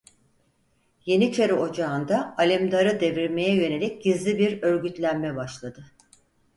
Yeniçeri Ocağı'nda Alemdar'ı devirmeye yönelik gizli bir örgütlenme başladı.